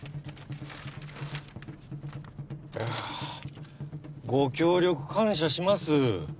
いやご協力感謝します